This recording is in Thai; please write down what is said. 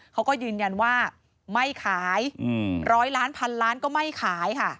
เขาก็ยืนยันว่าไม่ขายร้อยล้านพันล้านก็ไม่ขายค่ะ